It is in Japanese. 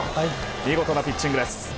見事なピッチングです。